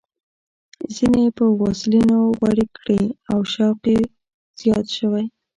څڼې یې په واسلینو غوړې کړې او شوق یې زیات شوی.